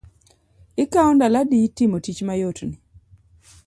Ikao ndalo adi timo tich mayot ni?